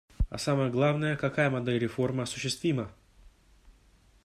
А самое главное: какая модель реформы осуществима?